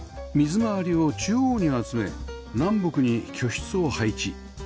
水回りを中央に集め南北に居室を配置